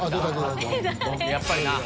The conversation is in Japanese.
やっぱりな。